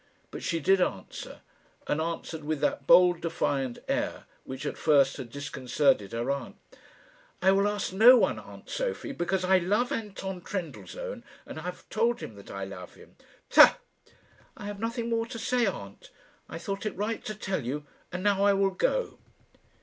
But she did answer, and answered with that bold defiant air which at first had disconcerted her aunt. "I will ask no one, aunt Sophie, because I love Anton Trendellsohn, and have told him that I love him." "Pshaw!" "I have nothing more to say, aunt. I thought it right to tell you, and now I will go."